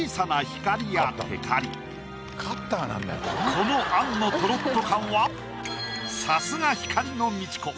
この餡のトロッと感はさすが光の道子。